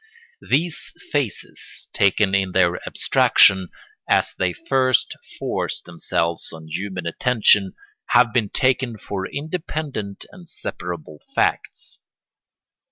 These phases, taken in their abstraction, as they first forced themselves on human attention, have been taken for independent and separable facts.